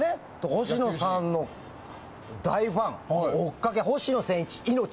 星野さんの大ファンおっかけ、星野仙一命。